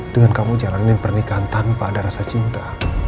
dengan kamu jalanin pernikahan tanpa ada rasa cinta